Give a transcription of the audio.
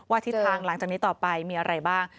ทิศทางหลังจากนี้ต่อไปมีอะไรบ้าง